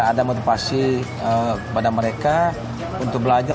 ada motivasi kepada mereka untuk belajar